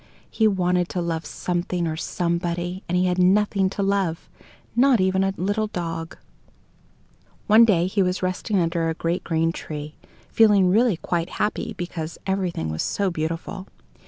He wanted to love something or somebody, and he had nothing to love not even a little dog. One day he was resting under a great green tree, feeling really quite happy because everything was so beautiful.